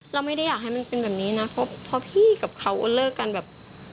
เราไม่ได้อยากให้มันเป็นแบบนี้นะเพราะพี่กับเขาเลิกกันแบบ